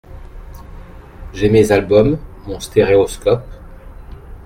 J’ai mes albums, mon stéréoscope…